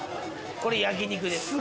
これ焼肉です